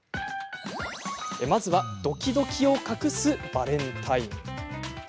まずはドキドキを隠すバレンタイン。